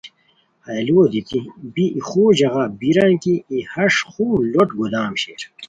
ہیہ لوؤ دیتی بی ای خور ژاغا بیران کی ای ہݰ خور لوٹ گودام شیر